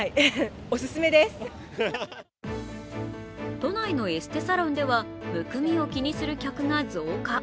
都内のエステサロンでは、むくみを気にする客が増加。